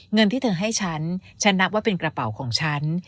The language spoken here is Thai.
เงินที่เธอให้ฉันฉันนับว่าเป็นกระเป๋าของฉัน